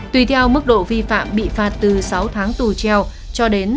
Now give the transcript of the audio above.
tùy theo mức độ vi phạm bị phạt từ sáu tháng tù treo cho đến sáu năm tù